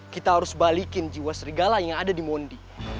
kita harus balikin jiwa serigala yang ada di mondi